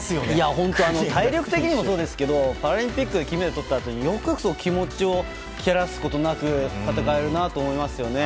本当、体力的にもそうですけどパラリンピックで金メダルとったあとによく気持ちを切らすことなく戦えるなと思いますよね。